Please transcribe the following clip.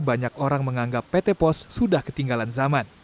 banyak orang menganggap pt pos sudah ketinggalan zaman